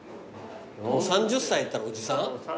３０歳いったらおじさん？